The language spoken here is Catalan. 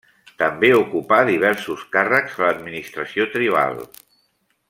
També ocupà diversos càrrecs a l'administració tribal.